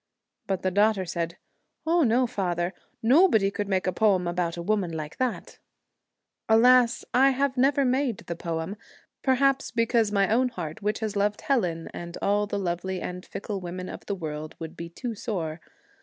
But the daughter said, ' Oh no, father. Nobody could make a poem about a woman like that.' Alas! I have never made the poem, perhaps because my own heart, which has loved Helen and all the lovely and fickle women of the world, would be too sore.